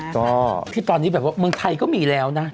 ก็ที่ตอนนี้แบบว่าเมืองไทยก็มีแล้วนะ